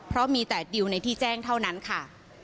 เพราะมีแต่ดิวในที่แจ้งเท่านั้นค่ะ